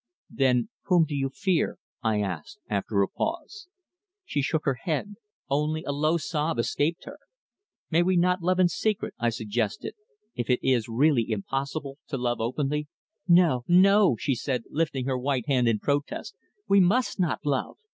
"Then whom do you fear?" I asked, after a pause. She shook her head. Only a low sob escaped her. "May we not love in secret," I suggested, "if it is really impossible to love openly?" "No, no!" she said, lifting her white hand in protest. "We must not love.